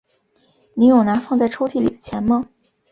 你有拿放在抽屉里的钱吗？